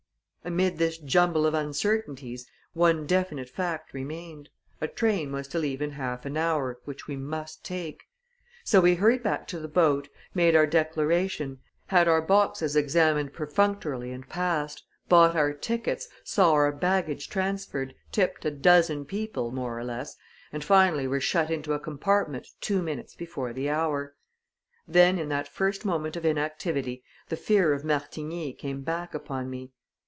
Amid this jumble of uncertainties, one definite fact remained a train was to leave in half an hour, which we must take. So we hurried back to the boat, made our declaration, had our boxes examined perfunctorily and passed, bought our tickets, saw our baggage transferred, tipped a dozen people, more or less, and finally were shut into a compartment two minutes before the hour. Then, in that first moment of inactivity, the fear of Martigny came back upon me.